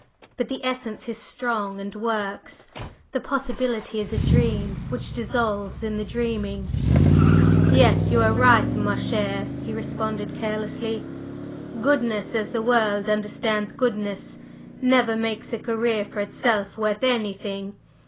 But the essence is strong and works; the possibility is a dream which dissolves in the dreaming!" "Yes, you are right, ma chère!" he responded carelessly. "Goodness as the world understands goodness never makes a career for itself worth anything.